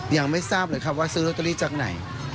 ยังไม่ทราบเลยครับว่าซื้อลอตเตอรี่จากไหน